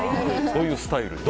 そういうスタイルです。